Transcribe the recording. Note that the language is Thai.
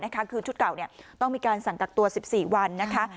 คือชุดเก่าต้องมีการสั่งกักตัว๑๔วันนะคะ